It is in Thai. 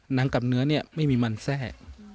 หนังกับเนื้อเนี่ยไม่มีมันแทรก